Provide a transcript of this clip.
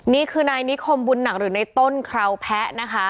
นี่คือนายนิคมบุญหนักหรือในต้นคราวแพะนะคะ